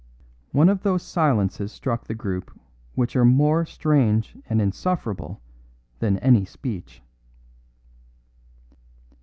One of those silences struck the group which are more strange and insufferable than any speech.